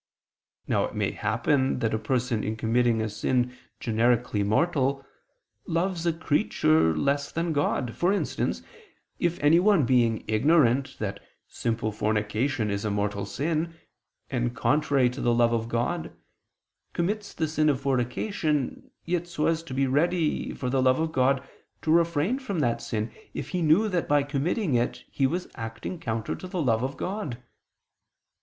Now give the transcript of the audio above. Now it may happen that a person in committing a sin generically mortal, loves a creature less than God; for instance, if anyone being ignorant that simple fornication is a mortal sin, and contrary to the love of God, commits the sin of fornication, yet so as to be ready, for the love of God, to refrain from that sin if he knew that by committing it he was acting counter to the love of God.